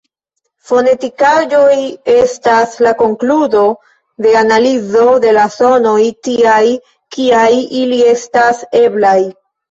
Fonetikaĵoj estas la konkludo de analizo de la sonoj tiaj kiaj ili estas eblaj.